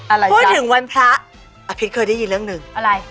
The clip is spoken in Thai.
โอ้โหแม่ขอเชิญไปวัดที่บ้านเกิดอภิษฐ์หน่อย